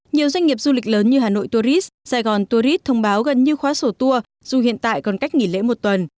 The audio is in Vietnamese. nhiều doanh nghiệp du lịch lớn như hà nội tourist sài gòn tourist thông báo gần như khóa sổ tour dù hiện tại còn cách nghỉ lễ một tuần